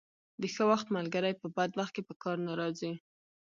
د ښه وخت ملګري په بد وخت کې په کار نه راځي.